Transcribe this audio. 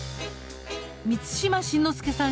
満島真之介さん